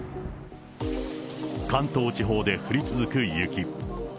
関東地方で降り続く雪。